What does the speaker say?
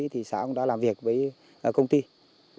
thì xã cũng đã làm việc với công ty